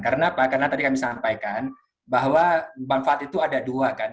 karena apa karena tadi kami sampaikan bahwa manfaat itu ada dua kan